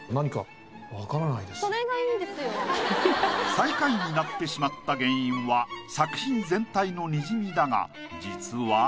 最下位になってしまった原因は作品全体の滲みだが実は。